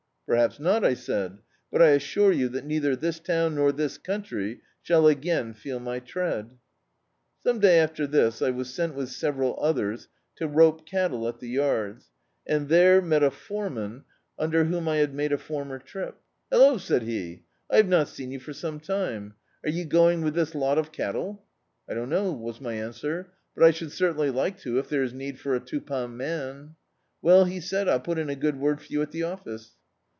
"Perhaps not," I said, "but I assure you, that neither this town, nor this coimtry, shall again feel my tread !" Some days after this I was sent with several others to rope cattle at the yards, and there met a foranan (163] D,i.,.db, Google The Autobiography of a Super Tramp under whom I had made a fomier trip. "Hallo," said he, "I have not seen 3^1 for some time; are you going with this lot of cattle?" "I don't know," was my answer, "but I should certainly like to, if there is need of a two pound man." "Well," he said, "I'll put in a good word for you at die office."